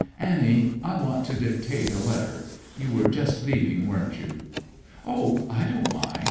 "Annie, I wanted to dictate a letter. You were just leaving, weren't you?" "Oh, I don't mind!"